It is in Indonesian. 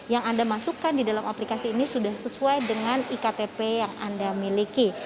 yang anda masukkan di dalam aplikasi ini sudah sesuai dengan iktp yang anda miliki